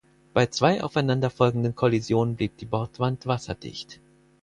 Bei zwei aufeinanderfolgenden Kollisionen blieb die Bordwand wasserdicht.